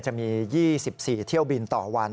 จะมี๒๔เที่ยวบินต่อวัน